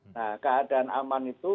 nah keadaan aman itu